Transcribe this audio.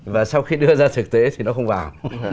và sau khi đưa ra thực tế thì nó không vào